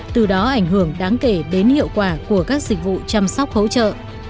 từ đó ảnh hưởng đáng kể đến hiệu quả của các dịch vụ chăm sóc hỗ trợ